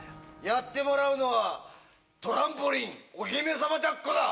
やってもらうのはトランポリンお姫様抱っこだ！